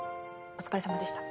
お疲れさまでした。